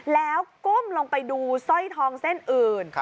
แล้วก้มลงไปดูสร้อยทองเส้นอื่น